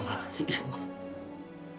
bapak selalu sama ibu